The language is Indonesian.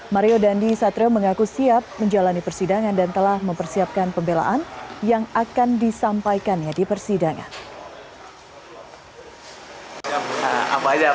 mario dandi satrio mengaku siap menjalani persidangan dan telah mempersiapkan pembelaan yang akan disampaikannya di persidangan